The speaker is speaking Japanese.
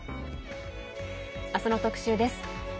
あすの特集です。